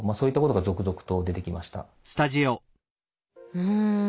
うん。